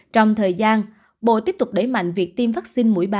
trong thời gian bộ tiếp tục đẩy mạnh việc tiêm vaccine mũi ba